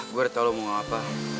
gue udah tau lo mau ngomong apa